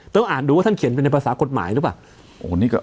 ต้องการอ่านดูว่านครเขียนเป็นในภาษากฎหมายหรือเปล่า